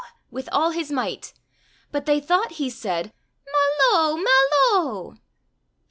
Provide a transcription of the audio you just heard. " with all his might. But they thought he said, " Ma lo, ma lo 1 !